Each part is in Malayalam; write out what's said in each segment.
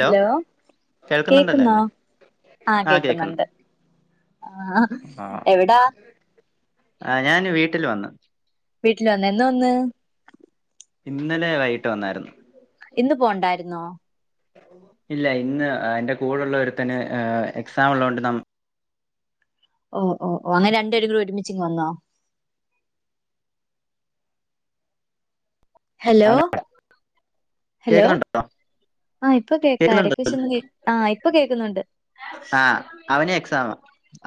ഹലോ കേൾക്കുന്നുണ്ടല്ലോ കേക്കുന്നാ? അല്ലേ ആഹ് ആ കേക്കുന്നു കേക്കുന്നുണ്ട് ആ എവിടാ? ആഹ് ഞാന് വീട്ടിൽ വന്ന് വീട്ടില് വന്ന് എന്ന വന്ന്? ഇന്നലെ വൈകിട്ട് വന്നായിരുന്നു ഇന്ന് പോണ്ടായിരുന്നോ? ഇല്ല ഇന്ന് എന്റെ കൂടെള്ള ഒരുത്തന് എക്സാം ഉള്ളോണ്ട് നാം ഓഹ് ഓഹ് ഓഹ് അങ്ങന രണ്ടപെരങ് ഒരുമിച്ചിങ് വന്നോ? ഹലോ അവന് ഹലോ കേൾക്കുന്നുണ്ടോ ആഹ് ഇപ്പൊ കേൾക്കാ കേൾക്കുന്നുണ്ടോ ഇടക്കചൊന്ന് കേ ആഹ് ഇപ്പൊ കേൾക്കുന്നുണ്ട്. ആ അവന് എക്സാം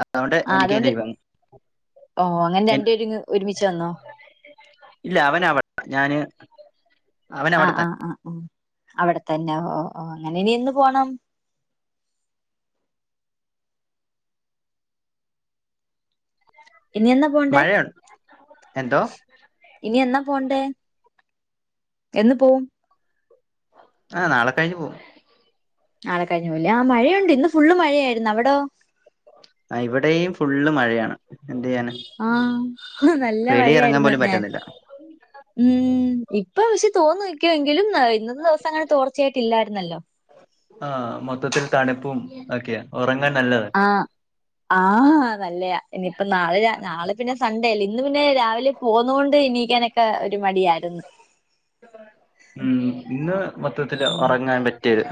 അതുകൊണ്ട് എനിക്ക് ലീവയി. ഓഹ് അങ്ങനെ രണ്ടപെര്ങ് ഒരുമിച്ച് വന്നോ? ഇല്ല അവനവിടെ ഞാന് അവനവിടെത്ത ആ ഓ അവിടെത്തന്നെ ഓഹ് ഓഹ് അങ്ങനെ ഇനിയെന്ന് പോണം? ഇനിയെന്ന പോണ്ടേ? മഴയുണ്ട് എന്തോ ഇനി എന്നാ പോണ്ടേ എന്ന് പോവും? ആഹ് നാളെ കഴിഞ് പോവും. നാളെ കഴിഞ് പോലെ ആഹ് മഴയുണ്ട് ഇന്ന് ഫുള്ള് മഴയായിരുന്നു അവിടോ? ആഹ് ഇവിടെയും ഫുള്ള് മഴയാണ് എന്ത് ചെയ്യാന? ആഹ് നല്ല വെളി ഇറങ്ങാൻ മഴയായിരുന്നു പോലും ഞാൻ പറ്റുന്നില്ല ഉം ഇപ്പൊ പക്ഷെ തോന്നക്കുവങ്കിലും ഇന്നത്തെ ദിവസം അങ്ങനെ തോർച്ചയായിട്ടല്ലായിരുന്നല്ലോ? ആഹ് മൊത്തത്തിൽ തണുപ്പും ഒക്കെ ഉറങ്ങാൻ നല്ലതാ. ആഹ് ആഹ് നല്ലയാ ഇനിയിപ്പ നാളെ നാളെ പിന്നെ സണ്ടേ അല്ലേ ഇന്ന് പിന്നെ രാവിലെ പോന്നൊണ്ട് ഇനീക്കാനൊക്കെ ഒരു മടിയായിരുന്നു. ഉം ഇന്ന് മൊത്തത്തില് ഉം. ഉറങ്ങാൻ പറ്റിയരു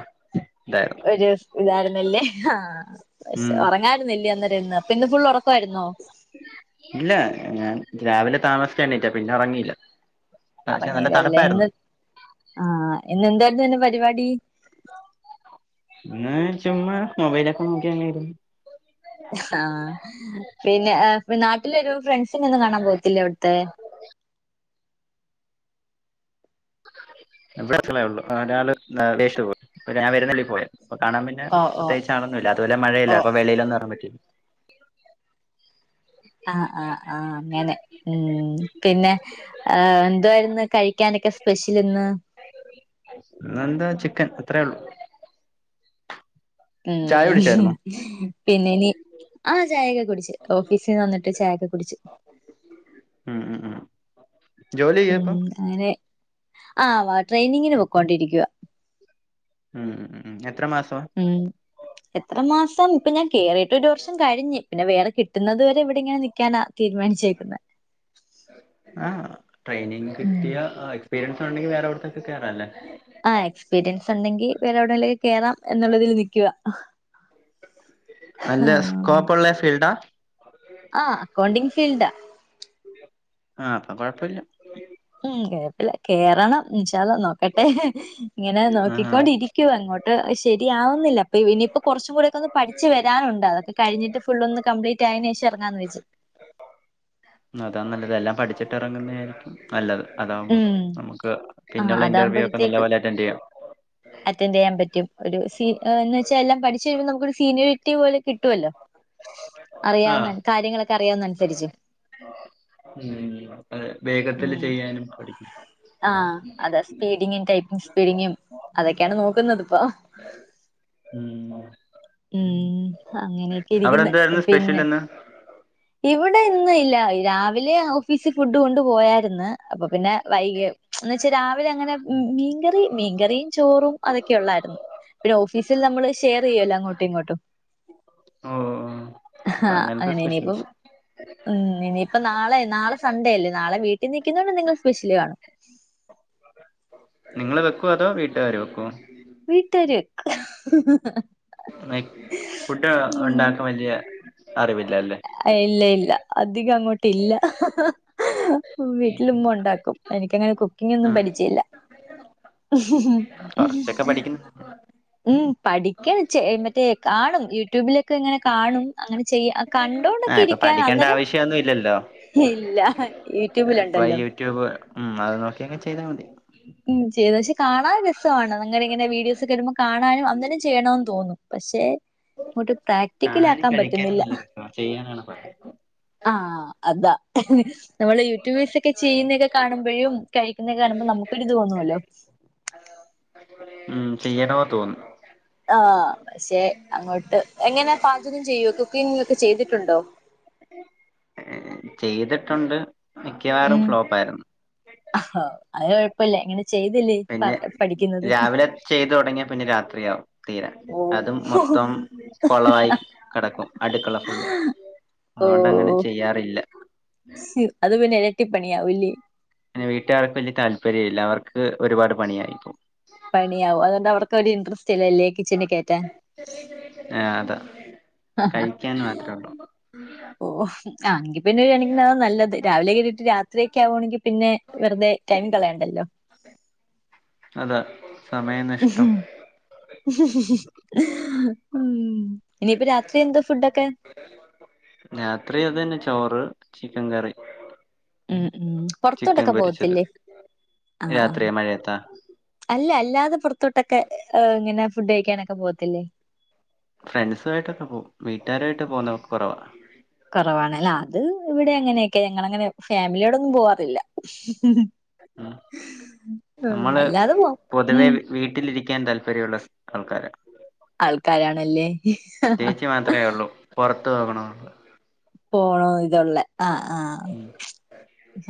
ഇതായിരുന്നു. ഒരു ഇതായിരുന്നല്ലേ ആഹ് പക്ഷെ ഉം ഉറങ്ങായിരുന്നില്ലേ അന്നേരംന്ന് അപ്പൊ ഇന്ന് ഫുള് ഉറക്കയിരുന്നോ? ഇല്ല ഞാൻ രാവിലെ താമസിചാണിറ്റാ പിന്നെ ഒറങ്ങിയില്ല. അപങ്ങിലല്ലേ ഇന്ന് ആഹ് ഇന്ന് എന്തായിരുന്നന്നെ പരിപാടി? ഇന്ന് ചുമ്മാ മൊബൈലൊക്കെ നോക്കിയങരു ആഹ് പിന്നെ നാട്ടിലൊരു ഫ്രണ്ട്സിനൊന്നും കാണാൻ പോവത്തില്ലേ അവിടുത്തെ? എവിടെ സ്ഥലേ ഉള്ളു ഒരാൾ [unintelligible] അപ്പ കാണാൻ പിന്നെ ഓഹ് ഓഹ് പ്രത്യേകിച്ച് ആളോന്നില്ല അതോല ഓഹ്. മഴയല്ലപ്പ വളിയിലൊന്നുംറൻ പറ്റി ആഹ് ആഹ് ആഹ് അങ്ങനെ ഉം പിന്നെ ഏഹ് എന്തോയിരുന്നു കഴിക്കാനൊക്കെ സ്പെഷ്യൽ ഇന്ന് ഇന്നെന്താ ചിക്കൻ, അത്രയേ ഉള്ളു ചായ ഉം കുടിച്ചായിരുന്നോ പിന്നെ ഇനി ആഹ് ചായയൊക്കെ കുടിച്ച്. ഓഫീസിൽ നിന്ന് വന്നിട്ട് ചായൊക്കെ കുടിച്ചു. ഉം ഉം. ഉം ജോലി ചെയ്യാ ഉം. ഇപ്പൊ അങ്ങനെ. ആഹ് ട്രെയിനിങ്ങിന് പോക്കോണ്ടിരിക്കുവാ ഉം ഉം എത്ര മാസം ഉം എത്ര മാസം, ഇപ്പൊ ഞാൻ കേറിയിട്ട് ഒരു വർഷം കഴിഞ്ഞ്. പിന്നെ വേറെ കിട്ടുന്നത് വരെ ഇവിടെ ഇങ്ങനെ നി ക്ക്യാനാ തീരുമാനിച്ചേക്കുന്നത്. ആ എകസ്പീരിയൻസ് ഉണ്ടെങ്കി വേറെ എവിട്ക്കൊക്കെ കേറാല്ലെ. ആ എക്സ്പീരിയൻസ് ഉണ്ടെങ്കി വേറെ എവിടെലും കേറാം. എന്നുള്ളതിൽ നിക്ക്യുവ. നല്ല സ്കോപ്പ്ള്ള ഫീൽഡാ. ആഹ് അക്കൗണ്ടിംഗ് ഫീൽഡ - ആ അപ്പൊ കൊഴപ്പല്ല. ഉം കൊഴപ്പില്ല. കേറണം ഇൻഷാ അള്ളാ നോക്കട്ടെ. ഇങ്ങനെ ആഹാ നോക്കിക്കൊണ്ടിരിക്കുവ അങ്ങോട്ട്. ശരിയാവുന്നില്ല. അപ്പൊ ഇനിയിപ്പൊ കൊറച്ചും കൂടൊക്കെ ഒന്ന് പഠിച്ച് വരാനുണ്ട്. അതൊക്കെ കഴിഞ്ഞിട്ട് ഫുള്ളാന്ന് കംപ്ലീറ്റ് റ്റ അതിന് ശേഷം എറങ്ങാന്ന് വച്ച് ഇന്നാ അതാ നല്ലത്. എല്ലാം പഠിച്ചിട്ട് എറങ്ങുന്നതായിരിക്കും. നല്ലത്. അതാകുമ്പം ഉം നമക്ക് പിന്നെയുള്ള ഇന്റർവ്യൂ ഒക്കെ നല്ല പോലെ അറ്റൻഡ് ചെയ്യാം. [inaudible] അറ്റൻഡറ് ചെയ്യാൻ പറ്റും. ഒരു എന്ന് വെച്ചാൽ എല്ലാം പഠിച്ചു വരുമ്പോ നമുക്കൊരു സീനിയോറിറ്റി പോലെ കിട്ട്വല്ലോ. അറിയാവുന്നെ ആഹ് കാര്യങ്ങളൊക് ഉം. വേഗത്തില് ഉം ചെയ്യാനും പഠിക്കും. ആഹ് അതാ സ്പീഡിങ്ങും ടൈപ്പിംഗ് സ്പീഡിങ്ങും. അതൊക്കെയാണ് നോക്കുന്നത് ഇപ്പൊ. [inaudible] ഉം ഉം അങ്ങനെയൊക്കെ അവിടെ ഇരിക്ക്ന്ന്. എന്തായിരുന്നു സ്പെഷ്യൽ പിന്നെ ഇന്ന് ഇവിടെ ഇന്ന് ഇല്ല. രാവിലെ ഓഫീസിൽ ഫുഡ് കൊണ്ട് പോയായിരുന്നു. അപം. പിന്നെ വൈകെ എന്ന് വെച്ചാൽ രാവിലെ അങ്ങനെ മീൻകറി, മീൻകറിയും ചോറും അതൊക്കെ ഉള്ളായിരുന്നു. പിന്നെ ഓഫീസിൽ നമ്മള് ഷെയർ ചെയ്യ്വല്ലോ. അങ്ങോട്ടും ഇങ്ങോട്ടും ഉം. ഉം ആഹ് അങ്ങനെ ഇനിയിപ്പം ഉം ഇനിയിപ്പം നാളെ. നാളെ സൺഡേ അല്ലേ. നാളെ വീട്ടിൽ നിൽക്കുന്നുണ്ട് എന്തെങ്കിലും സ്പെഷ്യല് കാണും. നിങ്ങള് വെക്കൊ. അതോ വീട്ടുകാര് വെക്കൊ. വീട്ട് കാര്. വെക്കും. ഫുഡ് ഉണ്ടാക്കാൻ വല്യ അറിവില്ലലെ. ഇല്ല ഇല്ല. അധികം അങ്ങോട്ട് ഇല്ല. വീട്ടിലുമ്മ ഉണ്ടാക്കും. എനിക്കങ്ങനെ കുക്കിംഗ് ഒന്നും ഉം പരിജയല്ല. കൊറച്ചൊക്കെ പഠിക്കുന്നു [unintelligible] ഉം പഠിക്കാൻ മറ്റേ കാണും. യൂട്യൂബിലൊക്കെ ഇങ്ങനെ കാണും. അങ്ങനെ ചെയ്യാൻ. കണ്ടോണ്ടൊക്കെ ആഹ് ഇപ്പൊ ഇരിക്കാൻ. പഠിക്കേണ്ട അന്നേരം ആവശ്യമൊന്നും ഇല്ലല്ലോ ഇല്ല യൂട്യൂബില് ഇപ്പൊ ഉണ്ടല്ലോ. യൂട്യൂബ്. ഉം അത് നോക്കി അങ്ങ് ചെയ്താ മതി. ഉം ചെയ്തു. പക്ഷെ കാണാൻ രസാണ്. അങ്ങനെ ഇങ്ങനെ വീഡിയോസ് ഒക്കെ വരുമ്പം കാണാനും അന്നേരം ചെയ്യണോന്ന് തോന്നും. പക്ഷെ ഇങ്ങോട്ട് പ്രാക്ടിക്കല് കാണാനും ആക്കാൻ കഴിക്കാനും പറ്റുന്നില്ല. നല്ല രസമാണ് ചെയ്യാനാണ് പാട് ആഹ് അത. നമ്മള് യൂട്യൂബേഴ്സ് ഒക്കെ ചെയ്യുന്നതൊക്കെ കാണുമ്പെഴും. കഴിക്കുന്നതൊക്കെ കാണുമ്പോൾ നമുക്ക് ഒരു ഇത് തോന്നോലോ. ഉം ചെയ്യണോന്ന് തോന്നും. ആ പക്ഷെ അങ്ങോട്ട്. എങ്ങനെ പാചകം ചെയ്യോ, കുക്കിംഗ് ഒക്കെ ചെയ്തിട്ടുണ്ടോ. ചെയ്തിട്ടുണ്ട്. മിക്കവാറും ഫ്ലോപ്പായിരുന്നു. അഹ് അയ്ന് കൊഴപ്പല്ല്യ ഇങ്ങ പിന്നെ രാവിലെ ചെയ്ത് തൊടങ്ങിയാ പിന്നെ രാത്രിയാവും. തീരാൻ ഓ അതും മൊത്തം. കൊളായി കെടക്കും അടുക്കള ഫുള്ള് അതുകൊണ്ട്ങ്ങനെ ചെയ്യാറില്ല ശു അത് പിന്നെ എരട്ടിപ്പണിയാവും ല്ലേ പിന്നെ വീട്ടുകാർക്ക് വല്ല്യ താല്പര്യം ഇല്ല അവർക്ക് ഒരുപാട് പണിയായിപ്പോ പണിയാവും അതുകൊണ്ട് അവർക്ക് ഒരു ഇൻട്രസ്റ്റ് ഇല്ലല്ലേ കിച്ചണിൽ കേറ്റാൻ ആഹ് അതാ കഴിക്കാൻ മാത്രേ ഉള്ളൂ ഓഹ് ആഹ് എങ്കി പിന്നെ ഒരു കണക്കിന് അതാ നല്ലത് രാവിലെ കേറീട്ട് രാത്രി ഒക്കെ ആവുകണെങ്കിൽ പിന്നെ വെറുതെ ടൈം കളയണ്ടല്ലോ അതെ സമയ നഷ്ടം ഉം ഇനിയിപ്പം രാത്രി എന്താ ഫുഡൊക്കെ രാത്രി അതന്നെ ചോറ് ചിക്കൻകറി ഉം ഉം പൊറത്തോട്ടൊക്കെ പൊരിച്ചത് പോവത്തില്ലേ ആഹ് ആഹ് രാത്രിയ മഴയത്താ അല്ല അല്ലാതെ പൊറത്തോട്ടൊക്കെ ഏഹ് ഇങ്ങനെ ഫുഡ് കഴിക്കാനൊക്കെ പോകത്തില്ലേ ഫ്രണ്ട്സായിട്ടൊക്കെ പോവും വീട്ടുകാരായിട്ട് പോകുന്ന കൊറവാ കൊറവാണല്ല ആഹ് അത് ഇവിടെ ങ്ങനെയൊക്കെ ഞങ്ങളങ്ങനെ ഫാമിലിയോടൊന്നും പോവാറില്ല ഉം ഉം നമ്മള് അല്ലാതെ പോവും പൊതുവെ ഉം വീ വീട്ടിലിരി ക്കാൻ താല്പര്യമുള്ള ആൾക്കാരാ ആൾക്കാരാണല്ലേ ന് മാത്രെ ഉള്ളൂ പൊറത്ത്പോകണം പോണോ ഇതുള്ളെ ആഹ് ആഹ്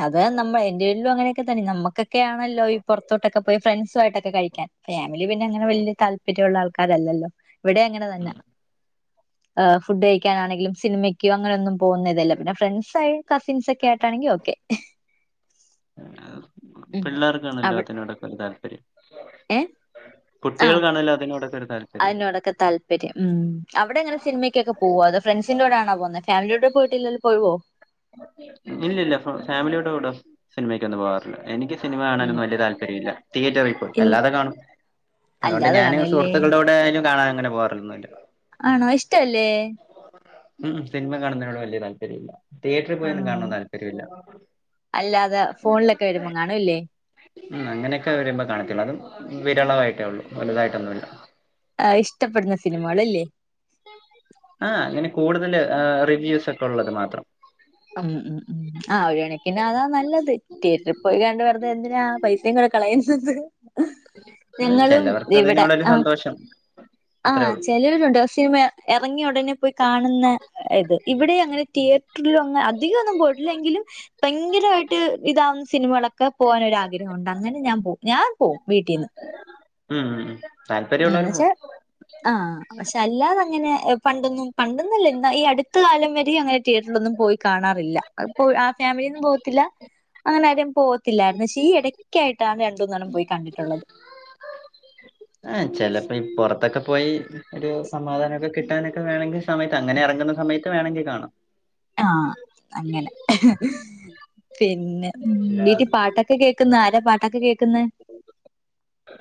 അത് നമ്മ എന്റെ വീട്ടിലും അങ്ങനെയൊക്കെ തന്നെയാ നമുക്കൊക്കൊണല്ലോ ഈ പൊറത്തോട്ടൊക്കെ പോയി ഫ്രണ്ട്സൊക്കെ ആയിട്ട് കഴിക്കാൻ ഫാമിലി പിന്നെ അങ്ങനെ വല്ല്യ താല്പര്യമുള്ള ആൾക്കാരല്ലല്ലോ ഇവിടെ അങ്ങനെ തന്നെ ആഹ് ഫുഡ് കഴിക്കാനാണെങ്കിലും സിനിമയ്ക്കോ അങ്ങനൊന്നും പോവൂന്നതല്ല പിന്നെ ഫ്രണ്ട്സ് ആയി കസിൻസ് ഒക്കെ ആയിട്ടാണെങ്കിൽ ഓക്കെ ഉം പിള്ളേർക്കാണല്ലോ അവ അതിനോടൊക്കൊരു താല്പര്യം ഏഹ് കുട്ടികൾക്കു ആണല്ലോ അതിനോടൊക്കെ താല്പര്യം അയിനോടൊക്കെ താൽ ഉം അവിടെ എങ്ങനെ സിനിമയ്ക്കെ പോകോ ഫ്രൻസിന്റെ കൂടെ ആണോ പോവുന്നത് ഫാമിലിയോടപ്പം പോയിട്ടില്ലല്ലോ പോവോ ഇല്ലല്ല ഫാമിലിയോടെ കൂടെ സിനിമക്ക്ന്നും പോവാറില്ല്യ എനിക്ക് സിനിമ ഉം കാണാനൊന്നും വല്ല്യ താല്പര്യല്ല തിയേറ്ററിൽപ്പോയി ഇൽ അല്ലാതെ കാണും അതൊണ്ട് അല്ലാതെ ഞാന് കാണുവല്ലേ സുഹൃത്തുക്കളുടെ കൂടെ ആയാലും കാണാൻ അങ്ങനെ പോവാറൊന്നുംല്ല ആണോ ഇഷ്ട്ടല്ലേ ഉം സിനിമ കാണുന്നതിനോട് വല്ല്യ താല്പര്യല്ല തിയേറ്ററിൽ പോയൊന്ന് ആഹ് കാണാൻ താല്പര്യല്ല അല്ലാതെ ഫോണിലൊക്കെ വരുമ്പോ കാണുംല്ലേ ഉം അങ്ങനെയൊക്കെ വരുമ്പോ കാണത്തൊള്ളൂ അതും വിരളാമായിട്ടേ ഒള്ളു വലുതായിട്ടൊന്നുമില്ല ആഹ് ഇഷ്ടപ്പെടുന്ന സിനിമകളില്ലേ ആഹ് ഇങ്ങനെ കൂടുതൽ ഏഹ് റിവ്യൂസ് ഒക്കെ ഉള്ളത് മാത്രം ആഹ് ഉം ഉം ഉം ആഹ് ഒരു കണക്കിന് അതാ നല്ലത് തിയേറ്ററിൽ പോയി കണ്ട് വെറുതെ എന്തിനാ പൈസയും കൂടെ കളയുന്നത് അത് ഞങ്ങളും ചിലവർക്ക് ഇവിടെ അതിനോടൊരു ആഹ് സന്തോഷം അത്രേ ആഹ് ഉള്ളൂ ചെലവരുണ്ട് പക്ഷെ മ എറങ്ങിയ ഉടനെ പോയി കാണുന്ന ഇത് ഇവിടെ അങ്ങനെ തിയേറ്ററിലൊ അധികന്നും പോയിട്ടില്ല എങ്കിലും എപ്പോങ്കിലയിട്ട് ഇതാവുന്ന സിനിമകളൊക്കെ പോകനൊരു ആഗ്രഹണ്ട് അങ്ങനെ ഞാൻ പോവും ഞാൻ പോവും വീട്ടീന്ന് ഉം ഉം താല്പര്യമുള്ളവര് ന്ന്‌വച്ചാ പോട്ടെ ആഹ് പക്ഷെ അല്ലാതെ അങ്ങനെ ഏഹ് പണ്ടൊന്നും പണ്ടന്നില്ല ഇന്ന് ഈ അടുത്ത കാലം വരെ അങ്ങനെ തിയേറ്ററിലൊന്നും പോയി കാണാറില്ല അതിപ്പോ ആഹ് ഫാമിലിയിന്നും പോവത്തില്ല അങ്ങനെ ആരും പോവത്തില്ലായിരുന്നു പക്ഷേ ഈ ഇടയ്ക്കായിട്ടാണ് രണ്ടൂന്നണ്ണം പോയി കണ്ടിട്ടുള്ളത് ആഹ് ചെപ്പോ ഈ പൊറത്തൊക്കെ പോയി ഒരു സമാധാനൊക്കെ കിട്ടാനൊക്കെ വേണങ്കിൽ ഈ സമയത്ത് അങ്ങനെ എറങ്ങുന്ന സമയത്ത് വേണെങ്കിൽ കാണാം ആഹ് അങ്ങനെ പിന്നെ വീട്ടിൽ ഇല്ലാതെ പാട്ടൊ ക്കെ കേക്കുന്നാ ആരാ പാട്ടൊക്കെ കേൾക്ക്ന്നെ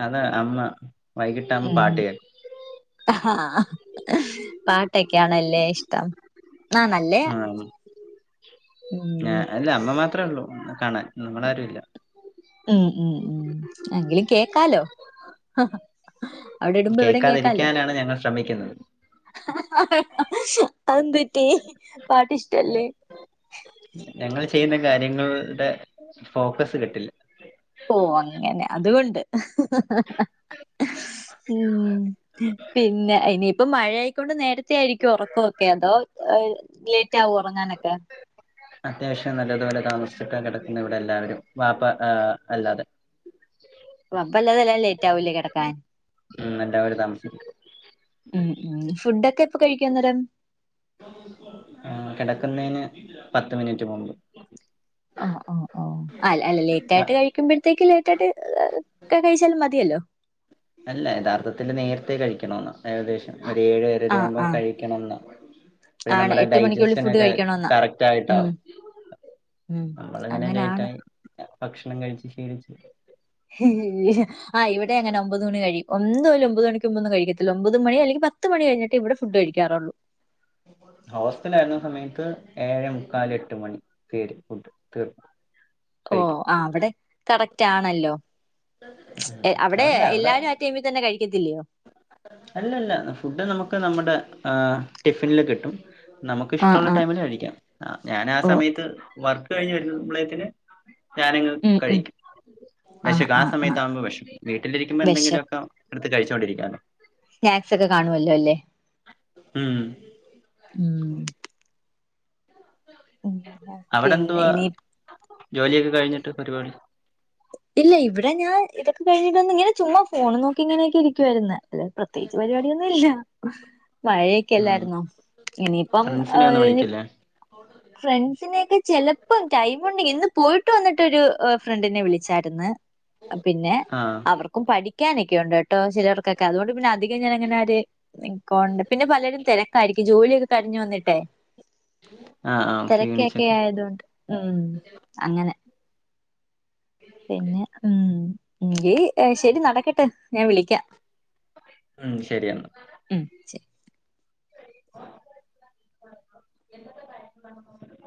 അതാ അമ്മ വൈകിട്ട് അമ്മ ഉം പാട്ട് കേ ആഹ് പാട്ടൊക്കെയാണല്ലേ ഇഷ്ടം ആണല്ലേ ആഹ് അല്ല അമ്മ മാത്രമേ ഉള്ളൂ കാണാൻ നമ്മളാരും ഇല്ല ഉം ഉം ഉം എങ്കിലും കേക്കാലോ അവിടെ ഇടുമ്പോ കേൾക്കാതിരിക്കാനാണ് ഞങ്ങൾ ശ്രമിക്കുന്നത് അതെന്തു പറ്റി പാട്ട് ഇഷ്ടല്ലേ ഞങ്ങൾ ചെയ്യുന്ന കാര്യങ്ങൾടെ ഫോക്കസ് കിട്ടില്ല ഓഹ് അങ്ങനെ അതുകൊണ്ട് ഉം പിന്നെ ഇനിയിപ്പ മഴയായിക്കൊണ്ട് നേര ത്തെ ആയിരിക്കോ ഉറക്കൊക്കെ അതോ ഏഹ് ലേറ്റ് ആകോ ഉറങ്ങാനൊക്കെ അത്യാവശ്യം നല്ലതുപോലെ താമസിച്ചിട്ടാ കെടക്കുന്ന ഇവിടെ എല്ലാവരും വാപ്പ ഏഹ് അല്ലാതെ വാപ്പ അല്ലാതെ എല്ലാരും ലേറ്റ് ആവും ല്ലേ കെടക്കാൻ ഉം എല്ലാവും താമസിക്കും ഉം ഉം ഫുടൊക്കെ എപ്പൊ കഴിക്കും അന്നേരം [inaudible] ആഹ് കെടക്കുന്നതിന് പത്ത് മിനിറ്റ് മുമ്പ് ഓഹ് ഓഹ് ഓഹ് അല്ല അല്ല ലേറ്റ് അ ആയിട്ട് കഴി ക്കുമ്പോഴത്തേക്ക് ലേറ്റായിട്ട് കഴിച്ചാലും മതിയല്ലോ അല്ല യഥാർത്ഥത്തിൽ നേരത്തെ കഴിക്കണം ന്നാ ഏകദേശം ഒരു ഏഴ് ഏഴര ആ ആകുമ്പോ ആ കഴി ക്കണം ന്നാ അപ്പൊ ആണ് നമ്മുടെ എട്ട് മണിക്കുള്ളിൽ ഡൈജസ്റ്റൻ ഫുഡ് ഒക്കെ കഴിക്കണോന്നാ. കറക്റ്റ് ഉം ആയിട്ടാവും ഉം നമ്മളങ്ങനെ അങ്ങനാണ്. ലേറ്റായി ഭക്ഷണം കഴിച്ചു ശീലിച്ചു ആഹ് ഇവിടെ എങ്ങനെ ഒമ്പത് മണി കഴിയും ഒന്നുമില്ല ഒമ്പത് മണിക്ക് മുമ്പൊന്നും കഴിക്കത്തില്ല ഒമ്പത് മണി അല്ലെങ്കിൽ പ പത്ത് മണി കഴിഞ്ഞിട്ടേ ഇവിടെ ഫുഡ് കഴിക്കാറൊള്ളൂ ഹോസ്റ്റലായിരുന്ന സമയത്ത് ഏഴെ മുക്കാൽ എട്ട് മണി തേടി പുട്ത്ത് ഓഹ് ആഹ് അവിടെ കറക്റ്റാണല്ലോ അവിടെ എല്ലാരും ആഹ് ടൈമി തന്നെ കഴിക്കത്തില്ലേ അല്ലല്ല ഫുഡ് നമുക്ക് നമ്മുടെ ഏഹ് ടിഫിൻല് കിട്ടും നമുക്ക് ആ ഇഷ്ടമുള്ള ആ ടൈമില് കഴിക്കാം ഞാൻ ആ ഓ സമയത്ത് വർക്ക് കഴിഞ്ഞ് വരുന്നബ്ളേക്ക് ന് ഞാനങ് ഉം ഉം കഴിക്കും വെശക്കും ആ സമയത്ത് ആകുമ്പോ വെശക്കും വീട്ടിലിരിക്കുമ്പോ വിശ എന്തെങ്കിലുമൊക്കെ എടുത്ത് കഴിച്ചുകൊണ്ടിരിക്കാലൊ സ്നാക്സ് ഒക്കെ കാണുവല്ലോ അല്ലേ ഉം ഉം, അവിടെ പിന്നെ എന്തുവാ ഇനി ജോലിയൊക്കെ കഴിഞ്ഞിട്ട് പരിപാടി ഇല്ല ഇവിടെ ഞാൻ ഇതൊക്കെ കഴിഞ്ഞിട്ടൊന്ന് ഇങ്ങനെ ചുമ്മാ ഫോണും നോക്കി ഇങ്ങനെയൊക്കെ ഇരിക്കുവായിരുന്ന് അല്ല പ്രത്യേകിച്ച് പരിപാടിയൊന്നും ഇല്ല ഉം മഴയൊക്കെല്ലായിരുന്നോ ഇനിയിപ്പം ഫ്രണ്ട്സിനെ ഒന്നും ആയ്ന് വിളിക്കില്ലേ ഫ്രണ്ട്സിനെയൊക്കെ ചെലപ്പം ടൈമുണ്ടെങ്കിൽ ഇന്ന് പോയിട്ട് വന്നിട്ടൊരു ഏഹ് ഫ്രണ്ടിനെ വിളിച്ചു ചെടന്ന് പിന്നെ ആഹ് അവർക്ക് ഓഹ് പഠിക്കാനൊക്കെ ഒണ്ട് കേട്ടോ ചിലർക്കൊക്കെ അതുകൊണ്ട് പിന്നധികം ഞാൻങ്ങനെര് നിക്കോണ്ട് പിന്നെ പലരും തെരക്കായിരിക്കും ജോലിയൊക്കെ കഴഞ്ഞു വന്നിട്ടേ ആഹ് ആഹ് തെരക്കെക്കെ ക്ഷീണിച്ചൊക്കെ ആയതൊണ്ട് ഉം അങ്ങനെ പിന്നെ ഉം എങ്കി ശരി നടക്കട്ടെ ഞാൻ വിളിക്കാം ഉം ശരിയന്നാ ഉം ശരി [inaudible]